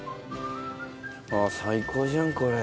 最高じゃんこれ。